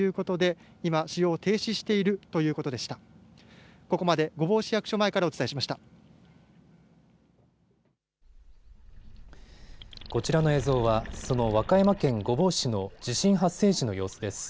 こちらの映像はその和歌山県御坊市の地震発生時の様子です。